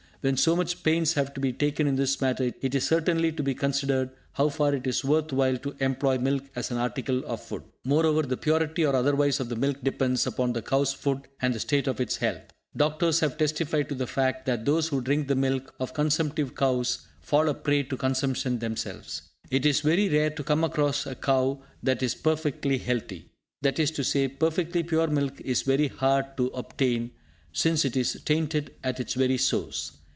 When so much pains have to be taken in this matter, it is certainly to be considered how far it is worth while to employ milk as an article of food. Moreover, the purity or otherwise of the milk depends upon the cow's food, and the state of its health. Doctors have testified to the fact that those who drink the milk of consumptive cows fall a prey to consumption themselves. It is very rare to come across a cow that is perfectly healthy. That is to say, perfectly pure milk is very hard to obtain, since it is tainted at its very source.